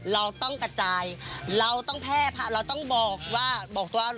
เราต้องกระจายเราต้องแพร่ค่ะเราต้องบอกว่า